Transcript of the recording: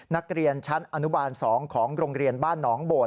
นักเรียนชั้นอนุบาล๒ของโรงเรียนบ้านหนองโบด